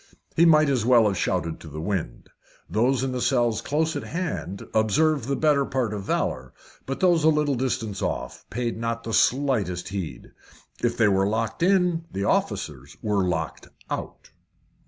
He might as well have shouted to the wind. Those in the cells just close at hand observed the better part of valour, but those a little distance off paid not the slightest heed. If they were locked in, the officers were locked out.